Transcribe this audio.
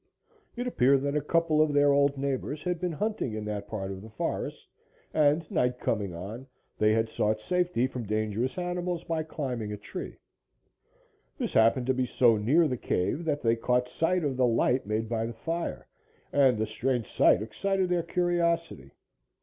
It appeared that a couple of their old neighbors had been hunting in that part of the forest and, night coming on, they had sought safety from dangerous animals by climbing a tree. This happened to be so near the cave that they caught sight of the light made by the fire, and the strange sight excited their curiosity.